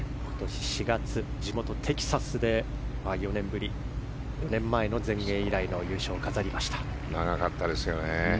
４月、地元テキサスで４年ぶり、４年前の全英以来の優勝を飾りました。